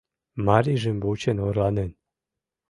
Марийжым вучен орланен.